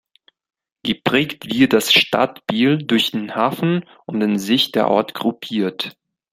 Geprägt wird das Stadtbild durch den Hafen, um den sich der Ort gruppiert.